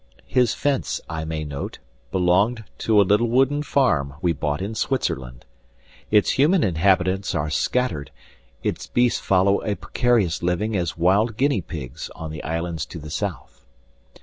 His fence, I may note, belonged to a little wooden farm we bought in Switzerland. Its human inhabitants are scattered; its beasts follow a precarious living as wild guinea pigs on the islands to the south.